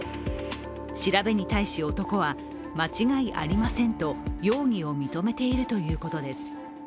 調べに対し男は間違いありませんと容疑を認めているということです。